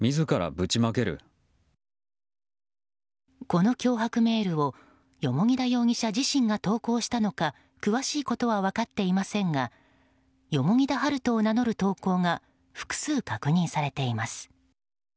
この脅迫メールを蓬田容疑者自身が投稿したのか詳しいことは分かっていませんが蓬田治都を名乗る投稿が複数確認されています。